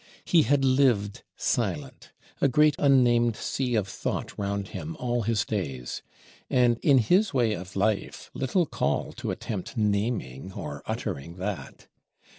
He had lived silent; a great unnamed sea of Thought round him all his days; and in his way of life little call to attempt naming or uttering that.